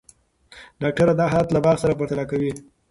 ډاکټره دا حالت له باغ سره پرتله کوي.